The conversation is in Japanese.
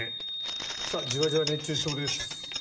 じわじわ熱中症です。